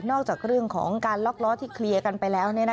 จากเรื่องของการล็อกล้อที่เคลียร์กันไปแล้ว